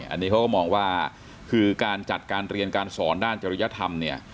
อันนี้เขาก็มองว่าคือการจัดการเรียนการสอนด้านจริยธรรมเนี่ย